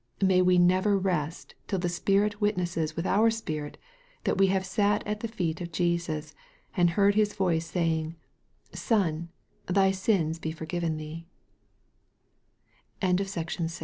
May we never rest till the Spirit witnesses with our spirit that we have sat at the feet of Jesus and heard his voice, saying, " Son, thy sins be for given